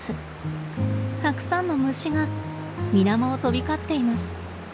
たくさんの虫が水面を飛び交っています。